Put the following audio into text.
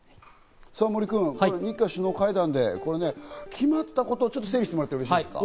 さぁ森君、日韓首脳会談でこれね、決まったことを整理してもらってよろしいですか？